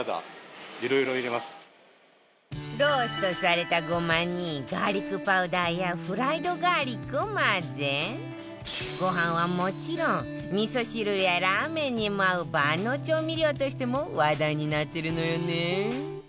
ローストされたごまにガーリックパウダーやフライドガーリックを混ぜご飯はもちろんみそ汁やラーメンにも合う万能調味料としても話題になってるのよね